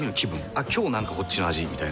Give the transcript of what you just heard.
「あっ今日なんかこっちの味」みたいな。